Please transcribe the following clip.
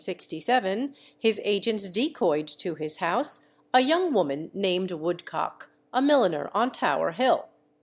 In 1767 his agents decoyed to his house a young woman named Woodcock, a milliner on Tower Hill.